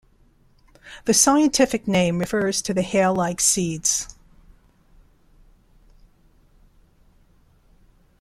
The scientific name refers to the hair-like seeds.